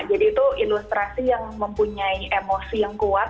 jadi itu ilustrasi yang mempunyai emosi yang kuat